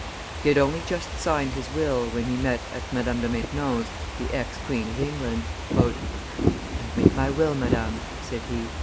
He had only just signed his will, when he met, at Madame de Maintenon's, the Ex Queen of England. "I have made my will, Madame," said he.